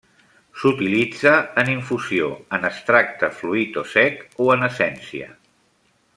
S'utilitza en infusió, en extracte fluid o sec o en essència.